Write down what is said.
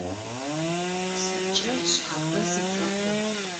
Сыдкӏэ шъхьапэ сыпфэхъун?